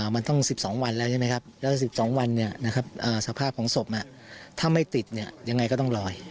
มันต้อง๑๒วันแล้วใช่ไหมครับแล้ว๑๒วันสภาพของศพถ้าไม่ติดยังไงก็ต้องลอย